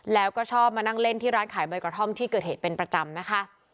แล้วก็ชอบมานั่งเล่นที่ร้านขายใบกระท่อมที่เกิดเหตุเป็นประจำนะคะ